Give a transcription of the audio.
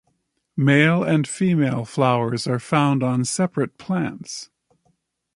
Male and female flowers are found on separate plants.